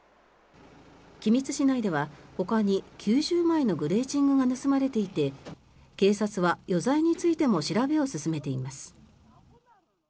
君津市内ではほかに９０枚のグレーチングが盗まれていて警察は余罪についても調べを進めています。